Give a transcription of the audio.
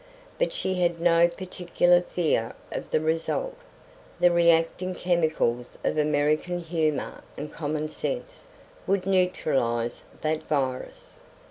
But she had no particular fear of the result. The reacting chemicals of American humour and common sense would neutralize that virus.